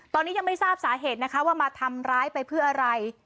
ตอนนี้ยังไม่ทราบสาเหตุนะคะว่ามาทำร้ายไปเพื่ออะไร